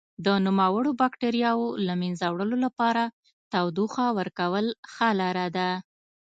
د نوموړو بکټریاوو له منځه وړلو لپاره تودوخه ورکول ښه لاره ده.